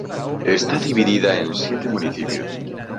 Está dividida en siete municipios.